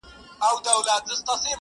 چي به د اور له پاسه اور راځي.!